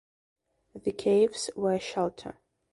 The caves were shelter.